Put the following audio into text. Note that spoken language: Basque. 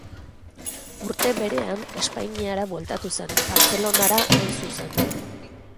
Urte berean Espainiara bueltatu zen, Bartzelonara hain zuzen.